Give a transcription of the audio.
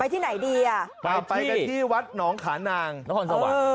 ไปที่ไหนดีอ่ะจะไปไปที่วัดหนองฉานางรคนสวัสดี